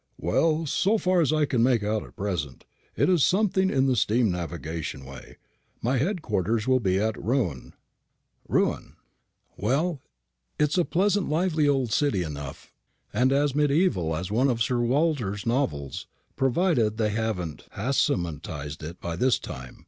"Well, so far as I can make out at present, it is something in the steam navigation way. My head quarters will be at Rouen." "Rouen! Well, it's a pleasant lively old city enough, and as mediæval as one of Sir Walter's novels, provided they haven't Haussmanised it by this time.